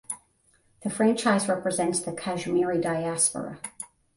The franchise represents the Kashmiri diaspora.